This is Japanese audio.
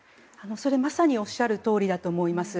まさにおっしゃるとおりだと思います。